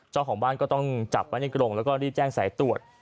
เจ้าของบ้านก็ต้องจับไว้ในกรงแล้วก็รีบแจ้งสายตรวจ